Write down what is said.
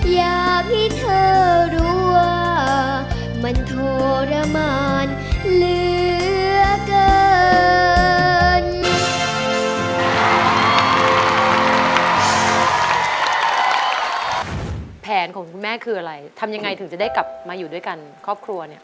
อยากให้เธอรู้ว่า